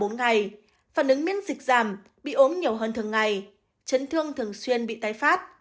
ngày phản ứng miễn dịch giảm bị ốm nhiều hơn thường ngày chấn thương thường xuyên bị tai phát